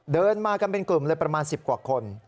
เดินมากันเป็นกลุ่มเลยประมาณ๑๐กว่าคน